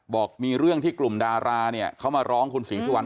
บอกมีเรื่องที่กลุ่มดาราเนี่ยเขามาร้องคุณศรีสุวรร